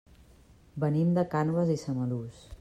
Venim de Cànoves i Samalús.